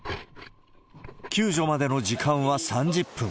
救助までの時間は３０分。